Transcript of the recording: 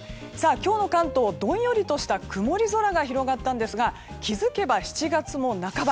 今日の関東はどんよりとした曇り空が広がったんですが気づけば７月も半ば。